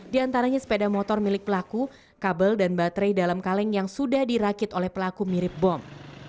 di antaranya sepeda motor milik pelaku kabel dan baterai dalam kaleng yang sudah dirakit oleh pelaku mirip bom